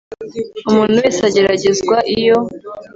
umuntu wese ageragezwa iyo